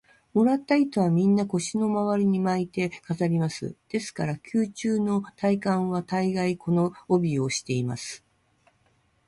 もらった糸は、みんな腰のまわりに巻いて飾ります。ですから、宮廷の大官は大がい、この帯をしています。